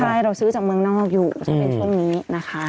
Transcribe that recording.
ใช่เราซื้อจากเมืองนอกอยู่ถ้าเป็นช่วงนี้นะคะ